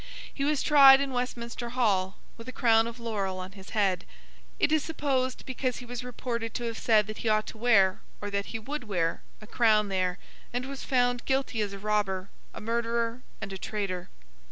He was tried in Westminster Hall, with a crown of laurel on his head—it is supposed because he was reported to have said that he ought to wear, or that he would wear, a crown there and was found guilty as a robber, a murderer, and a traitor.